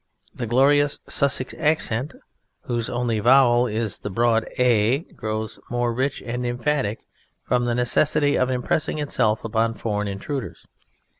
The glorious Sussex accent, whose only vowel is the broad "a", grows but more rich and emphatic from the necessity of impressing itself upon foreign intruders.